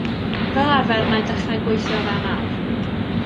Fel arfer mae'n dechrau gweithio o fewn awr.